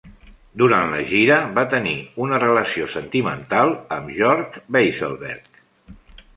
Durant la gira, va tenir una relació sentimental amb Jorg Weisselberg.